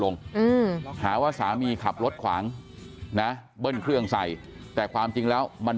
อืมหาว่าสามีขับรถขวางนะเบิ้ลเครื่องใส่แต่ความจริงแล้วมัน